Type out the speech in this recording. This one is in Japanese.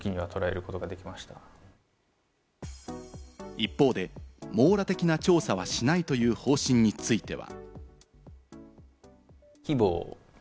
一方で網羅的な調査はしないという方針については。